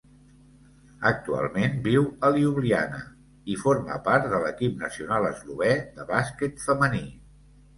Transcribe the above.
Actualment viu a Ljubljana i forma part de l'equip nacional eslovè de bàsquet femení.